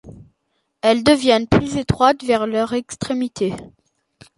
Elles deviennent plus étroites vers leur extrémité.